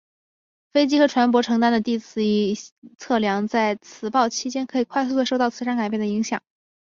飞机和船舶承担的地磁测量在磁暴期间可以快速的受到磁场改变影响。